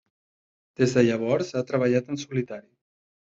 Des de llavors ha treballat en solitari.